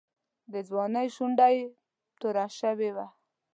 د ځوانۍ شونډه یې توره شوې وه.